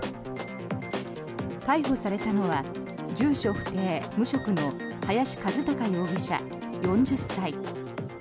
逮捕されたのは住所不定・無職の林一貴容疑者、４０歳。